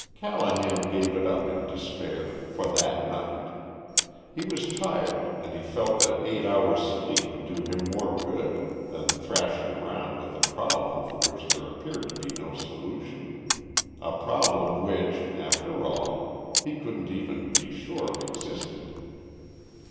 Callahan gave it up in despair for that night. He was tired and he felt that eight hours' sleep would do him more good than thrashing around with a problem for which there appeared to be no solution; a problem which, after all, he couldn't even be sure existed.